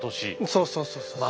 そうそうそうそうそう。